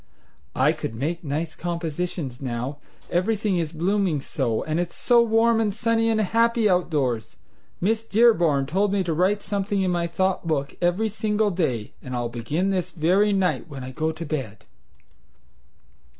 I could make nice compositions now, everything is blooming so, and it's so warm and sunny and happy outdoors. Miss Dearborn told me to write something in my thought book every single day, and I'll begin this very night when I go to bed."